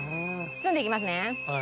包んでいきますね。